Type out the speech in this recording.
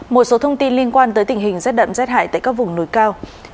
một số thông tin liên quan tới tình hình rét đậm rét hại tại các vùng núi cao